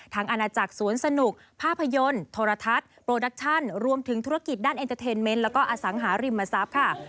อาณาจักรสวนสนุกภาพยนตร์โทรทัศน์โปรดักชั่นรวมถึงธุรกิจด้านเอ็นเตอร์เทนเมนต์แล้วก็อสังหาริมทรัพย์ค่ะ